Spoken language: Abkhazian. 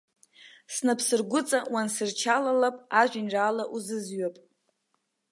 Снапсыргәыҵа уансырчалалап, ажәеинраала узызҩып.